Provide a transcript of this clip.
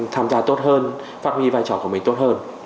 tham gia tốt hơn phát huy vai trò của mình tốt hơn